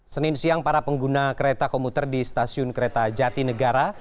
senin siang para pengguna kereta komuter di stasiun kereta jati negara